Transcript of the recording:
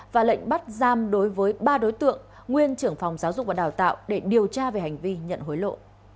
và lệnh bắt giam đối với ba đối tượng nguyên trưởng phòng giáo dục và đào tạo để điều tra về hành vi nhận hối lộ